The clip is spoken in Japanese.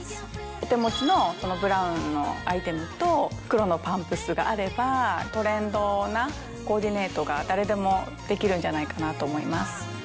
お手持ちのブラウンのアイテムと黒のパンプスがあればトレンドなコーディネートが誰でもできるんじゃないかなと思います。